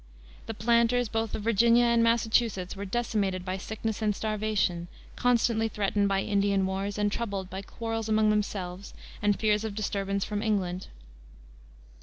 The planters both of Virginia and Massachusetts were decimated by sickness and starvation, constantly threatened by Indian wars, and troubled by quarrels among themselves and fears of disturbance from England.